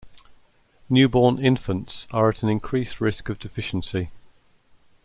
Newborn infants are at an increased risk of deficiency.